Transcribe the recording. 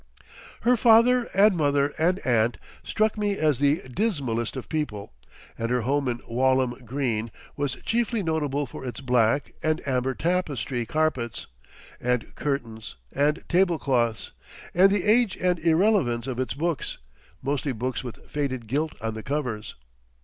Her father and mother and aunt struck me as the dismalest of people, and her home in Walham Green was chiefly notable for its black and amber tapestry carpets and curtains and table cloths, and the age and irrelevance of its books, mostly books with faded gilt on the covers.